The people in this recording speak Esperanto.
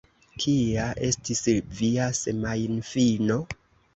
Kia estis via semajnfino?